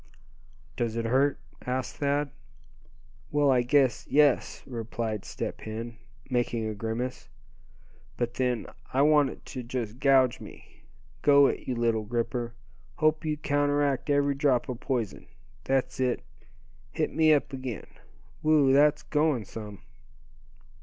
"Does it hurt?" asked Thad. "Well, I guess, yes," replied Step Hen, making a grimace; "but then, I want it to just gouge me. Go it, you little gripper; hope you counteract every drop of poison. That's it, hit me up again. Whew! that's going some."